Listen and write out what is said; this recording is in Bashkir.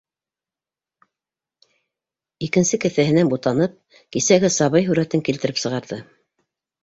Икенсе кеҫәһенән бутанып, кисәге сабый һүрәтен килтереп сығарҙы.